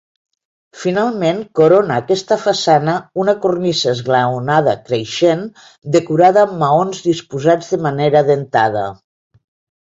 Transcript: Finalment corona aquesta façana, una cornisa esglaonada creixent, decorada amb maons disposats de manera dentada.